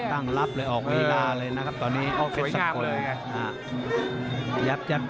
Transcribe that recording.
ต้องรับเลยออกเวลาเลยนะครับตอนนี้ออกเซ็ทสะพรสวยงามเลย